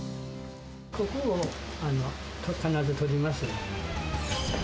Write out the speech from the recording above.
ここを必ず取ります。